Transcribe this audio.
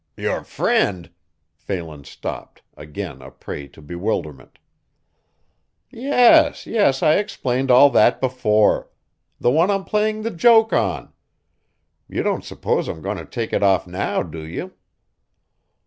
"Your friend?" Phelan stopped, again a prey to bewilderment. "Yes, yes I explained all that before. The one I'm playing the joke on. You don't suppose I'm going to take it off now, do you?"